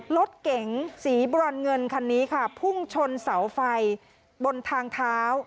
รถเก๋งสีบรอนเงินคันนี้ค่ะพุ่งชนเสาไฟบนทางเท้า